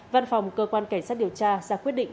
văn phòng cơ quan cảnh sát điều tra ra quyết định